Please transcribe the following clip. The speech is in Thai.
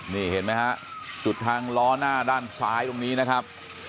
นี่เห็นไหมฮะจุดทางล้อหน้าด้านซ้ายตรงนี้นะครับ